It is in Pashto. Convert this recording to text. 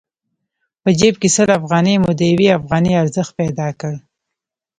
په جېب کې سل افغانۍ مو د يوې افغانۍ ارزښت پيدا کړ.